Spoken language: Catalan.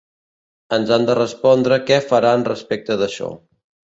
Ens han de respondre què faran respecte d’això.